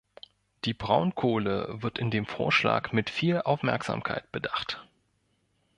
Die Braunkohle wird in dem Vorschlag mit viel Aufmerksamkeit bedacht.